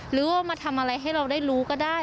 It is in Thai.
หรือว่ามาทำอะไรให้เราได้รู้ก็ได้